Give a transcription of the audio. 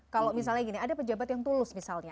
kalau misalnya gini ada pejabat yang tulus misalnya